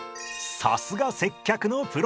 さすが接客のプロ！